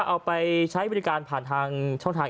เอาไปใช้บริการผ่านทางช่องทาง